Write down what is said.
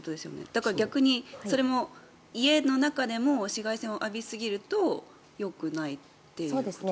だから、逆にそれも家の中でも紫外線を浴びすぎるとよくないということですか？